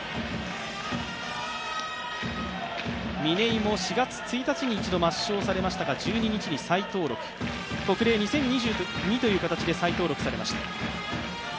嶺井も４月１日に一度抹消されましたが、１２日に再登録、特例２０２２という形で再登録されました。